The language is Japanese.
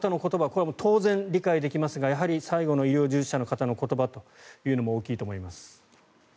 これは当然理解できますがやはり最後の医療従事者の方の言葉というのも大きいと思います。